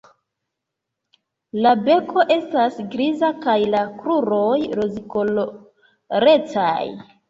La beko estas griza kaj la kruroj rozkolorecaj.